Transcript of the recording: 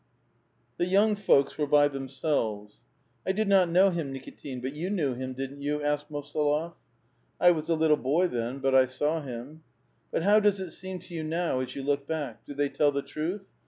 The yeung folks were by themselves. " I (iid not know him, Nikitin ; but you knew him, didn't you ?" asked Mosolof. " 1 was a little boy then, but 1 saw him." " But how does it soem to you now, as you look back? do they tell the truth?